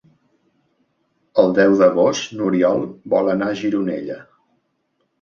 El deu d'agost n'Oriol vol anar a Gironella.